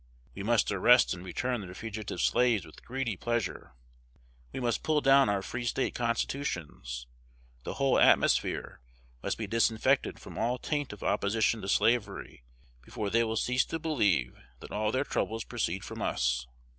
We must arrest and return their fugitive slaves with greedy pleasure. We must pull down our Free State Constitutions. The whole atmosphere must be disinfected from all taint of opposition to slavery, before they will cease to believe that all their troubles proceed from us.